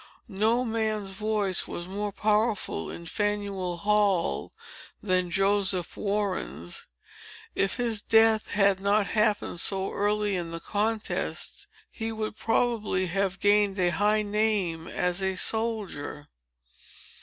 No man's voice was more powerful in Faneuil Hall than Joseph Warren's. If his death had not happened so early in the contest, he would probably have gained a high name as a soldier."